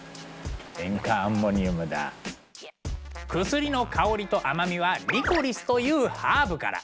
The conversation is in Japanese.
薬の香りと甘みはリコリスというハーブから。